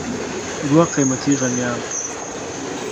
دوه قیمتي غمیان